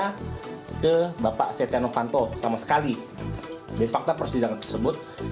ketua umum kami bapak setia novanto sama sekali dari fakta persidangan tersebut